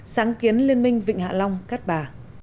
sáng kiến liên minh vịnh hạ long cát bà